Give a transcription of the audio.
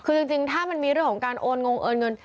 คือจริงถ้ามันมีเรื่องของการโอนงงโอนเงิน